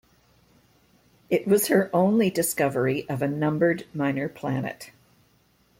It was her only discovery of a numbered minor planet.